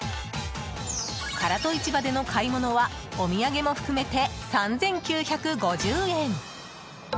唐戸市場での買い物はお土産も含めて３９５０円！